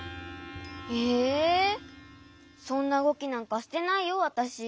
えそんなうごきなんかしてないよわたし。